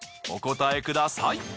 お答えください。